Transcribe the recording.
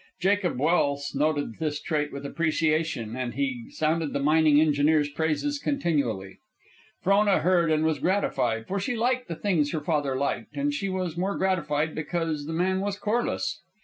Jacob Welse noted this trait with appreciation, and he sounded the mining engineer's praises continually. Frona heard and was gratified, for she liked the things her father liked; and she was more gratified because the man was Corliss.